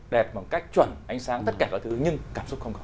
đẹp bằng cách chuẩn ánh sáng tất cả các thứ nhưng cảm xúc không có